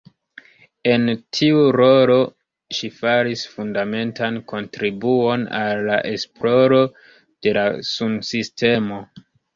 En tiu rolo, ŝi faris fundamentan kontribuon al la esploro de la sunsistemo.